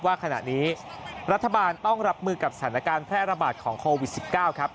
ว่าขณะนี้รัฐบาลต้องรับมือกับสถานการณ์แพร่ระบาดของโควิด๑๙ครับ